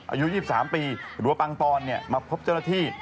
อายุ๒๓ปีหรือว่าปังปอนมาพบเจ้าหน้าที่